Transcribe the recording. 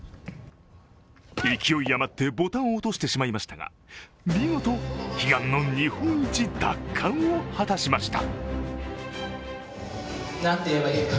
勢い余ってボタンを落としてしまいましたが見事、悲願の日本一奪還を果たしました。